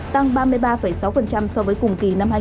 tăng ba mươi ba sáu so với cùng kỳ năm hai nghìn hai mươi một